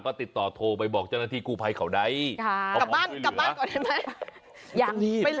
ก็ติดต่อโทรไปบอกจนาที่กูภายเขาได้เอาออกไปเหลือละกลับบ้านก่อนได้ไหม